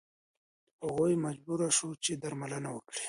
هغې مجبوره شوه چې درملنه وکړي.